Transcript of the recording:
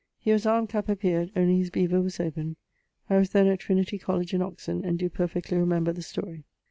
He was armed cap à pied; only his bever was open. I was then at Trinity College in Oxon. and doe perfectly remember the story.